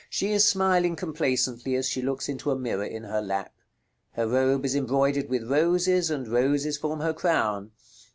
She is smiling complacently as she looks into a mirror in her lap. Her robe is embroidered with roses, and roses form her crown.